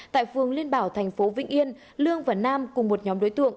tại phường liên bảo tp vĩnh yên lương và nam cùng một nhóm đối tượng